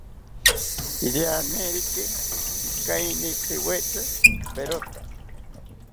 Irianeriki ikeinishiriwetzi perota